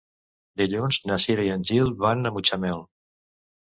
Dilluns na Cira i en Gil van a Mutxamel.